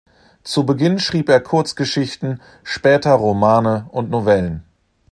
Zu Beginn schrieb er Kurzgeschichten, später Romane und Novellen.